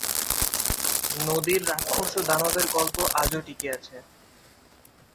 নদীর রাক্ষস ও দানবদের গল্প আজও টিকে আছে।